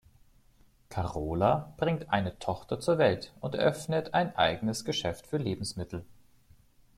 Carola bringt eine Tochter zur Welt und eröffnet ein eigenes Geschäft für Lebensmittel.